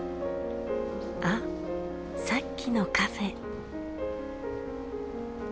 あっさっきのカフェ。